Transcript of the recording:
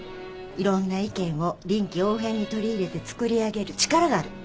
いろんな意見を臨機応変に取り入れて作りあげる力がある。